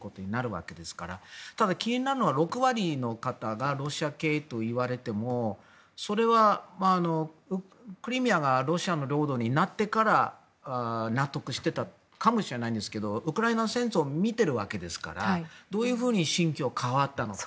ただ、気になるのは６割の方がロシア系といわれてもそれは、クリミアがロシアの領土になってから納得していたかもしれませんがウクライナ戦争を見ているわけですからどういうふうに心境が変わったのか。